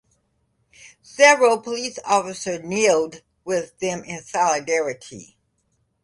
Several police officers kneeled with them in solidarity.